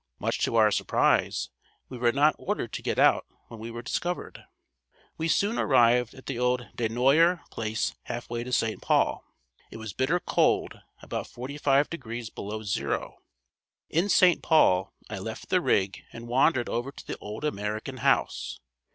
Much to our surprise, we were not ordered to get out when we were discovered. We soon arrived at the old Des Noyer place half way to St. Paul. It was bitter cold, about forty five degrees below zero. In St. Paul, I left the rig and wandered over to the old American House.